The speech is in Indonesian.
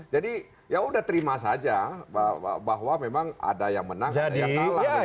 jadi ya udah terima saja bahwa memang ada yang menang ada yang kalah